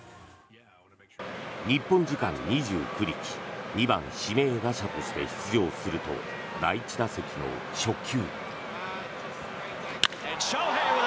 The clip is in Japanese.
日本時間２９日２番指名打者として出場すると第１打席の初球。